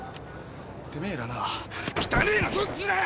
てめえらな汚えのはどっちだよ！？